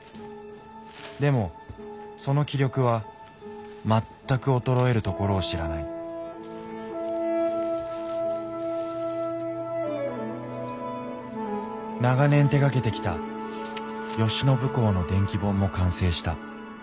でもその気力は全く衰えるところを知らない長年手がけてきた慶喜公の伝記本も完成した。